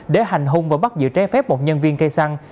để hành hung và bắt giữ trái phép một nhân viên cây xăng